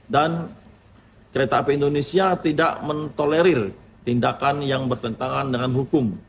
dan kereta api indonesia tidak mentolerir tindakan yang bertentangan dengan hukum